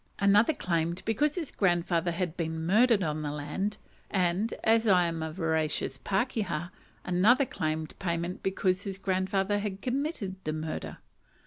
Another claimed because his grandfather had been murdered on the land, and as I am a veracious pakeha another claimed payment because his grandfather had committed the murder!